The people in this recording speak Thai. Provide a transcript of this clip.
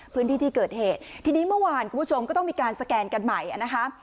พื้นที่ที่เกิดเหตุทีนี้เมื่อวานคุณผู้ชมก็ต้องมีการสแกนกันใหม่นะคะ